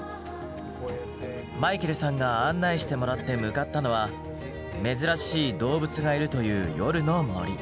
マイケルさんが案内してもらって向かったのは珍しい動物がいるという夜の森。